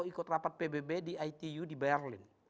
ikut rapat pbb di itu di berlin